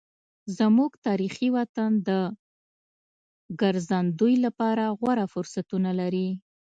زموږ تاریخي وطن د ګرځندوی لپاره غوره فرصتونه لري.